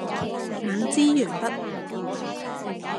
五支鉛筆